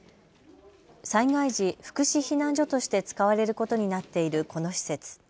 災害時、福祉避難所として使われることになっているこの施設。